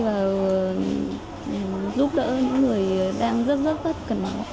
và giúp đỡ những người đang rất rất rất cần nó